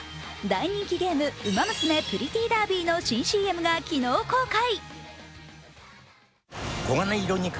大人気ゲーム、「ウマ娘プリティーダービー」の新ＣＭが昨日、公開。